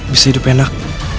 bisa hidup enak